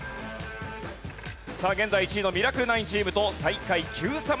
さあ現在１位のミラクル９チームと最下位Ｑさま！！